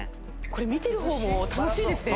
これ見てる方も楽しいですね。